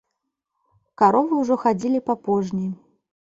Каровы ўжо хадзілі па пожні.